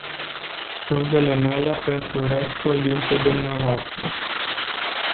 Scuzele mele pentru restul dintre dvs.